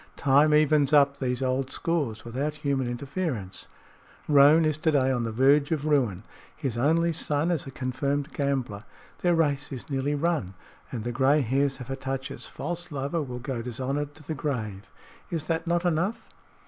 Time evens up these old scores without human interference. Roane is to day on the verge of ruin. His only son is a confirmed gambler. Their race is nearly run, and the gray hairs of Hatatcha's false lover will go dishonored to the grave. Is that not enough?"